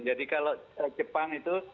jadi kalau jepang itu